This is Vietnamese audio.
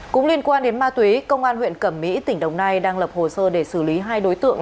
cũng liên quan đến ma túy công an huyện cẩm mỹ tỉnh đồng nai đang lập hồ sơ để xử lý hai đối tượng